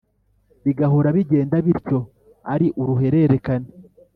bigahora bigenda bityo ari uruhererekane.